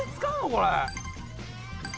これ。